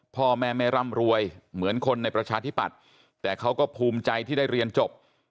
พ่อแม่ไม่ร่ำรวยเหมือนคนในประชาธิปัตย์แต่เขาก็ภูมิใจที่ได้เรียนจบ